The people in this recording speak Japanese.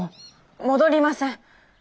戻りません。